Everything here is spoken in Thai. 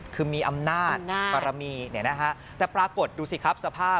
คือมีอำนาจบารมีเนี่ยนะฮะแต่ปรากฏดูสิครับสภาพ